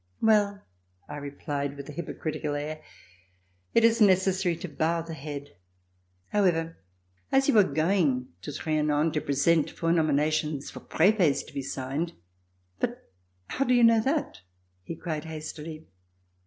"Well," I replied, with a hypocritical air, "it is necessary to bow the head. However, as you are going to Trianon to present four nominations for prefets to be signed ..." "But, how do you know that.^" he cried hastily.